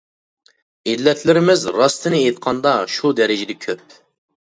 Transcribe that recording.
ئىللەتلىرىمىز راستىنى ئېيتقاندا، شۇ دەرىجىدە كۆپ.